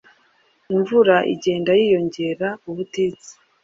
imvura igenda yiyongera ubutitsa,